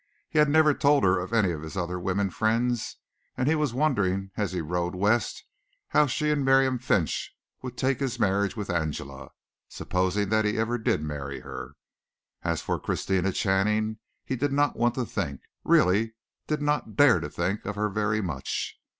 He had never told her of any of his other women friends and he was wondering as he rode west how she and Miriam Finch would take his marriage with Angela, supposing that he ever did marry her. As for Christina Channing, he did not want to think really did not dare to think of her very much.